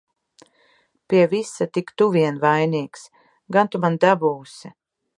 Pie visa tik tu vien vainīgs! Gan tu man dabūsi!